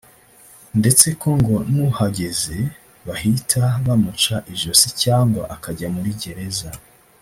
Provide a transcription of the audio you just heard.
ndetse ko ngo n’uhageze bahita bamuca ijosi cyangwa akajya muri gereza